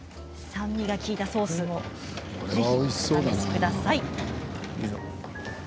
酸味の利いたソースもぜひお試しください。